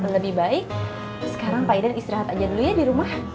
lebih baik sekarang pak idan istirahat aja dulu ya di rumah